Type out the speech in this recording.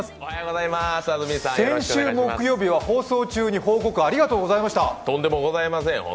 先週木曜日は放送中に報告ありがとうございました。